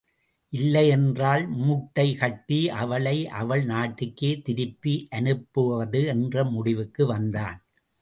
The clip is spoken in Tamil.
இல்லை என்றால் மூட்டை கட்டி அவளை அவள் நாட்டுக்கே திருப்பி அனுப்புவது என்ற முடிவுக்கு வந்தான்.